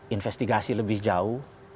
investigasi lebih jauh